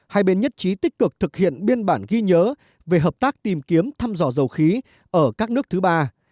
hai bên nhất trí tích cực thực hiện biên bản ghi nhớ về hợp tác tìm kiếm thăm dò dầu khí ở các nước thứ ba